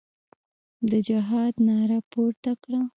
د جهاد ناره پورته کړه.